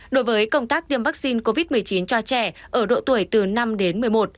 đối với công tác tiêm vaccine covid một mươi chín cho trẻ ở độ tuổi từ năm đến một mươi một